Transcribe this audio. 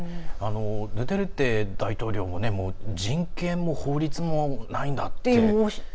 ドゥテルテ大統領も人権も法律もないんだって。